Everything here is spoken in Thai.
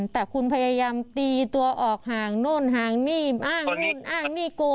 แต่คุณพยายามตีตัวออกห่างโน่นห่างนี่อ้างนู่นอ้างนี่โก